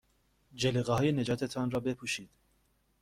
جلیقههای نجات تان را بپوشید.